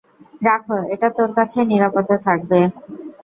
রাখ, এটা তোর কাছেই নিরাপদ থাকবে।